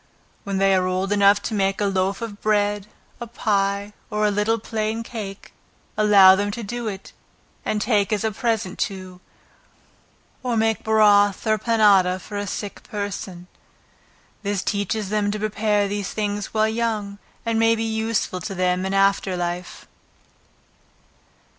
When they are old enough to make a loaf of bread, a pie, or a little plain cake, allow them to do it, and take as a present to, or make broth or panada for a sick person. This teaches them to prepare these things while young, and may be useful to them in after life.